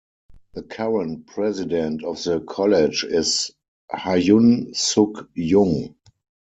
The current president of the college is Hyun-Suk Jung.